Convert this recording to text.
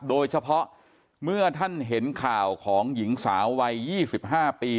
โดยเฉพาะเมื่อท่านเห็นข่าวของหญิงสาววัย๒๕ปี